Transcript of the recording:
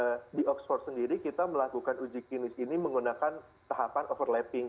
nah di oxford sendiri kita melakukan uji klinis ini menggunakan tahapan overlapping